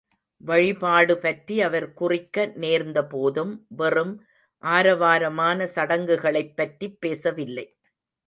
வழிபாடுபற்றி அவர் குறிக்க நேர்ந்தபோதும் வெறும் ஆரவாரமான சடங்குகளைப் பற்றிப் பேசவில்லை.